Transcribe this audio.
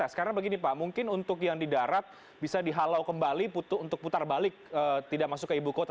sekarang begini pak mungkin untuk yang di darat bisa dihalau kembali untuk putar balik tidak masuk ke ibu kota